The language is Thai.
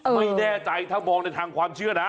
ไม่แน่ใจถ้ามองในทางความเชื่อนะ